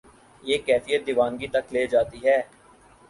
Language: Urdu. یہ کیفیت دیوانگی تک لے جاتی ہے۔